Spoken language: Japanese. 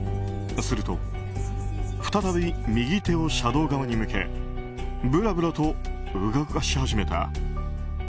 すると、再び右手を車道側に向けぶらぶらと動かし始めた。